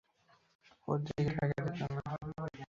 ওর দিকে তাকিয়ে দেখুন না।